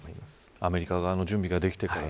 アメリカ側の準備ができてから。